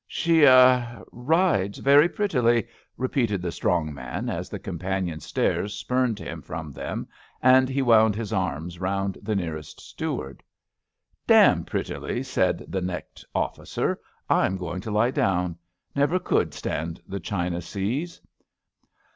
She — ah — ^rides very prettily, *' repeated the strong man as the companion stairs spumed him from them and he wound his arms round the near est steward. Damn prettily,'' said the necked ofiScer. ^* I'm going to lie down. Never could stand the China seas."